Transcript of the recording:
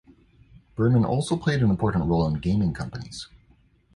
Berman also played an important role in gaming companies.